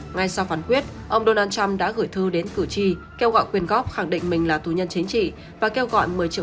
ngay sau phán quyết ông donald trump đã gửi thư đến cử tri kêu gọi quyền góp khẳng định mình là tù nhân chính trị